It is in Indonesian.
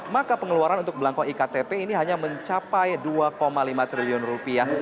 maka pengeluaran untuk belangko iktp ini hanya mencapai dua lima triliun rupiah